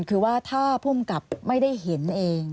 คือว่าถ้าภูมิกับไม่ได้เห็นเอง